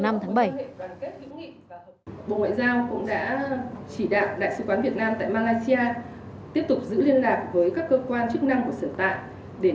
bộ ngoại giao cũng đã chỉ đạc đại sứ quán việt nam tại malaysia tiếp tục giữ liên lạc với các cơ quan chức năng của sở tạng